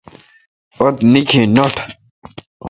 اُتھ نیکھ نٹ۔